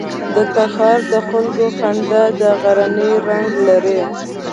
د تخار د خلکو خندا د غرنی رنګ لري.